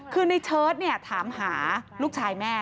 คือในเชิดถามหาลูกชายแม่